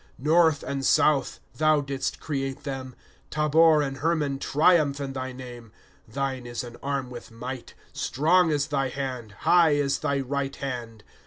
Google ^2 North and South, thou didst create them ; Tabor and Hermon triumph in thy name. " Thiue is an arm with might ; Strong is thy hand, high. is thy right hand.